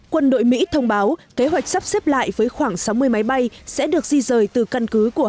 quân đội mỹ thông báo kế hoạch sắp xếp lại với khoảng sáu mươi máy bay sẽ được di rời từ căn cứ của